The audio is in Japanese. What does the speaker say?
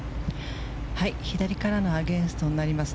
左からのアゲンストになります。